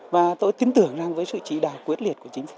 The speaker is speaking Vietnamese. và tôi tin tưởng rằng với sự chỉ đạo quyết liệt của chính phủ